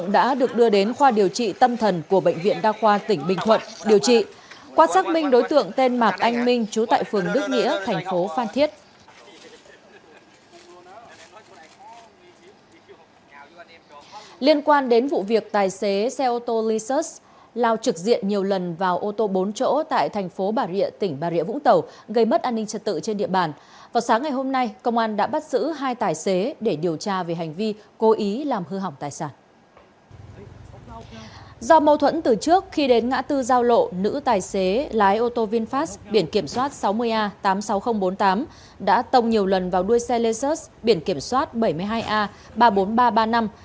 do mâu thuẫn từ trước khi đến ngã tư giao lộ nữ tài xế lái ô tô vinfast biển kiểm soát sáu mươi a tám mươi sáu nghìn bốn mươi tám đã tông nhiều lần vào đuôi xe lexus biển kiểm soát bảy mươi hai a ba mươi bốn nghìn ba trăm ba mươi năm